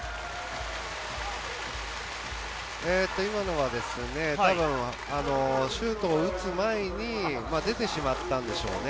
今のは多分シュートを打つ前に出てしまったんでしょうね。